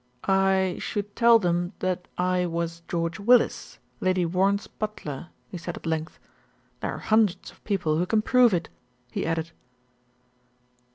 "I should tell them that I was George Willis, Lady Warren's butler," he said at length. "There are hun dreds of people who can prove it," he added.